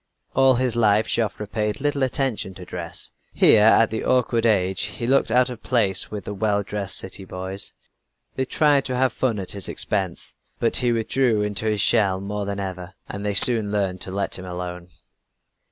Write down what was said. All his life Joffre paid little attention to dress. Here at the awkward age he looked out of place with the well dressed city boys. They tried to have fun at his expense, but he withdrew into his shell more than ever, and they soon learned to let him alone.